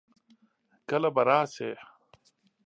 کله به راسې؟